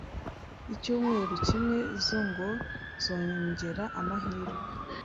icyumweru kimwe zo ngo zongera amahirwe